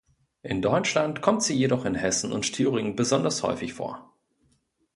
In Deutschland kommt sie jedoch in Hessen und Thüringen besonders häufig vor.